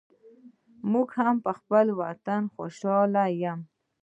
زه هم پخپل وطن خوشحال یم